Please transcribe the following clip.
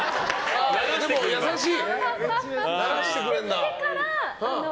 でも、優しい。